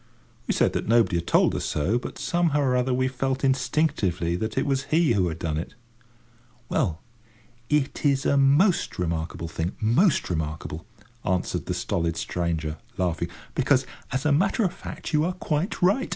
We said that nobody had told us so, but somehow or other we felt instinctively that it was he who had done it. "Well, it's a most remarkable thing—most remarkable," answered the stolid stranger, laughing; "because, as a matter of fact, you are quite right.